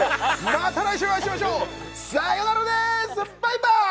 また来週お会いしましょうさよならですバイバイ！